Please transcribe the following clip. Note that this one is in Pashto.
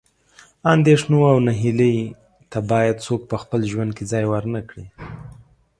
اندېښنو او نهیلۍ ته باید څوک په خپل ژوند کې ځای ورنه کړي.